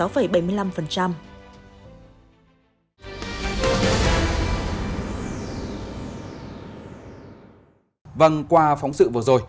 vâng qua phóng sự vừa rồi